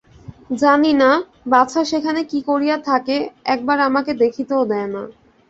জানি না, বাছা সেখানে কী করিয়া থাকে, একবার আমাকে দেখিতেও দেয় না।